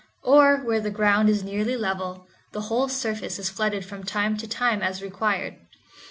Or, where the ground is nearly level, the whole surface is flooded from time to time as required.